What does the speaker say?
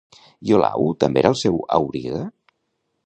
Iolau també era el seu auriga?